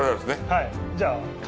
はい。